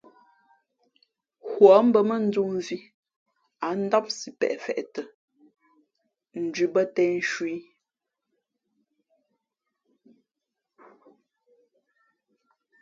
Huά mbᾱ mά ndū mvhī ǎ ndám sipeʼ feʼtα ndhʉ bᾱ těn nshu ī.